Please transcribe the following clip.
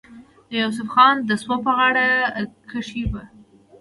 د يوسف خان د سپو پۀ غاړه کښې به